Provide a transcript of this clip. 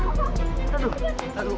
aku ketti ketat tapi kamu tidak mau